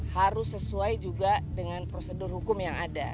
harus sesuai juga dengan prosedur hukum yang ada